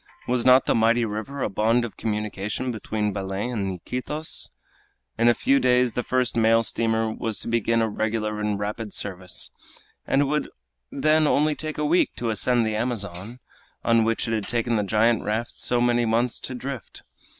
Was not the mighty river a bond of communication between Belem and Iquitos? In a few days the first mail steamer was to begin a regular and rapid service, and it would then only take a week to ascend the Amazon, on which it had taken the giant raft so many months to drift.